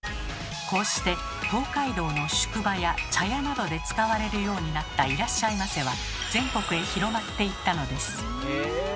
こうして東海道の宿場や茶屋などで使われるようになった「いらっしゃいませ」は全国へ広まっていったのです。